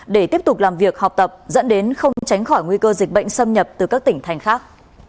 để tiếp tục làm việc học tập dẫn đến không tránh khỏi nguy cơ dịch bệnh xâm nhập từ các tỉnh thành khác